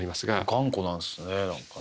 頑固なんですね何かね。